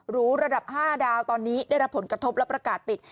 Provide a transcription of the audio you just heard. หรูระดับ๕ดาวตอนนี้ได้รับผลกระทบและประกาศปิด